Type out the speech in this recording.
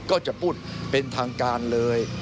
ก็จะพูดเป็นทางการเลย